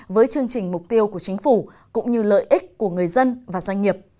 với chương trình mục tiêu của chính phủ cũng như lợi ích của người dân và doanh nghiệp